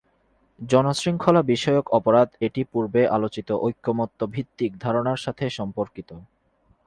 জন শৃংখলা বিষয়ক অপরাধ এটি পূর্বে আলোচিত ঐক্যমত্য ভিত্তিক ধারণার সাথে সম্পর্কিত।